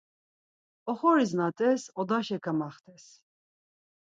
Oxoris na-t̆es, odaşa kamaxt̆es.